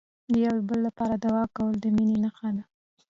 د یو بل لپاره دعا کول، د مینې نښه ده.